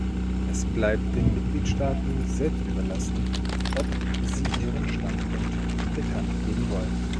Es bleibt den Mitgliedstaaten selbst überlassen, ob sie ihren Standpunkt bekannt geben wollen.